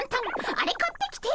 アレ買ってきて。